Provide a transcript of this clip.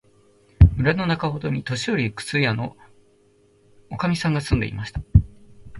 村のなかほどに、年よりの靴屋のおかみさんが住んでいました。